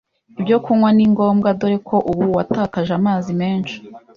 Ibyo kunywa ni ngombwa dore ko uba watakaje amazi menshi